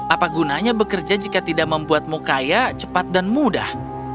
apa gunanya bekerja jika tidak membuatmu kaya cepat dan mudah